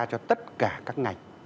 cho tất cả các ngành